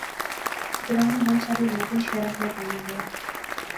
گراں نے بہوں سارے لوک ہُن شہراں کیا ٹُری غئے